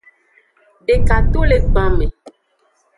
Deka to le gban me.